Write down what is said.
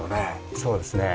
そうですね。